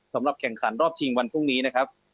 สำหรับแข่งขันรอบชิงวันพรุ่งนี้นะครับ